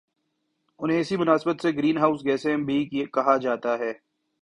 انہیں اسی مناسبت سے گرین ہاؤس گیسیں بھی کہا جاتا ہے